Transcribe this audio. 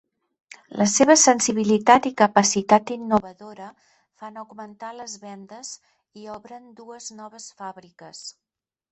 La seva sensibilitat i capacitat innovadora fan augmentar les vendes i obren dues noves fàbriques.